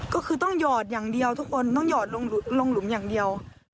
ก็คือต้องหยอดอย่างเดียวทุกคนต้องหยอดลงหลุมอย่างเดียว